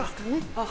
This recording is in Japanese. あっ。